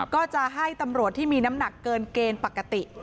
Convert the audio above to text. ก็จะให้ตำรวจที่มีน้ำหนักเกินเกณฑ์ปกติ